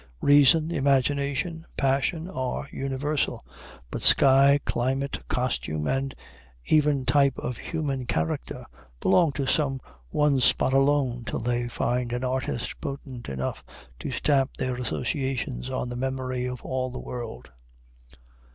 Reason, imagination, passion, are universal; but sky, climate, costume, and even type of human character, belong to some one spot alone till they find an artist potent enough to stamp their associations on the memory of all the world.